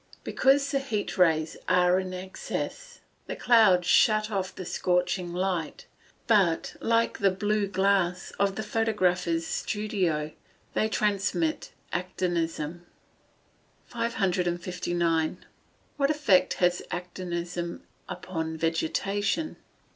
_ Because the heat rays are in excess. The clouds shut off the scorching light; but, like the blue glass of the photographer's studio, they transmit actinism. 559. _What effect has actinism upon vegetation?